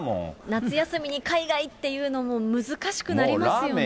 夏休みに海外っていうのも、難しくなりますよね。